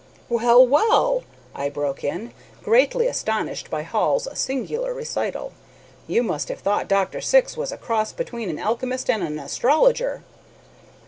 "Well! well!" I broke in, greatly astonished by Hall's singular recital, "you must have thought Dr. Syx was a cross between an alchemist and an astrologer."